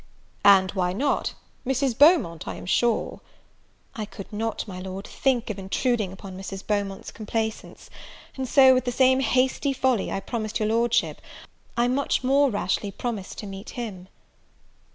"And why not? Mr. Beaumont, I am sure " "I could not, my Lord, think of intruding upon Mrs. Beaumont's complaisance; and so, with the same hasty folly I promised your Lordship, I much more rashly promised to meet him."